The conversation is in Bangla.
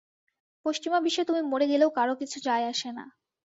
পশ্চিমা বিশ্বে তুমি মরে গেলেও কারো কিছু যায় আসে না।